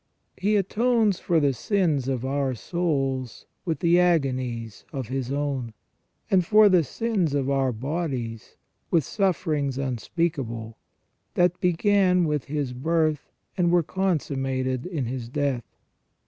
He atones for the sins of our souls with the agonies of His own, and for the sins of our bodies with suffer ings unspeakable, that began with His birth and were consum mated in His death.